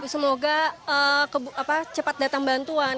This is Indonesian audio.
semoga cepat datang bantuan